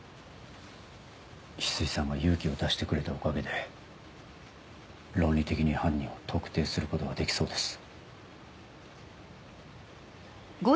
翡翠さんが勇気を出してくれたおかげで論理的に犯人を特定することができそうです。